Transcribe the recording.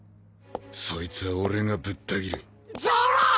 そいつは俺がぶった斬るゾロ！